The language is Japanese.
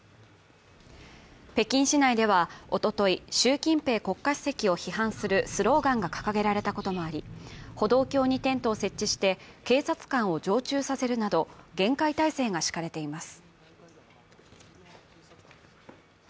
北京市内ではおととい、習近平国家主席を批判するスローガンが掲げられたこともあり、歩道橋にテントを設置して警察官を常駐させるなど厳戒態勢が敷かれています。